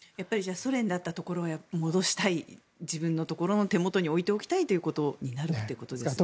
ソ連だったところは戻したい手元に置いておきたいということになるということですか？